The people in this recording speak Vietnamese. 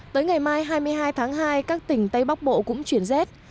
tới ngày mai hai mươi hai tháng hai các tỉnh tây bắc bộ cũng chuyển rét